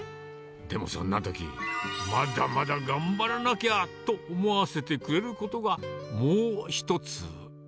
でもそんなとき、まだまだ頑張らなきゃと思わせてくれることがもう１つ。